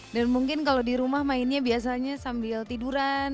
dan mungkin kalau di rumah mainnya biasanya sambil tiduran